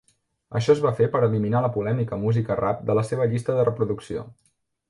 Això es va fer per eliminar la polèmica música rap de la seva llista de reproducció.